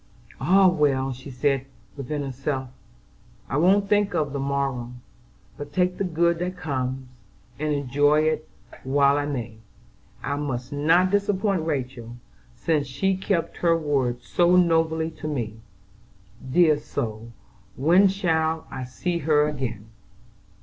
"Ah well," she said within herself, "I won't think of the morrow, but take the good that comes and enjoy it while I may. I must not disappoint Rachel, since she kept her word so nobly to me. Dear soul, when shall I see her again?"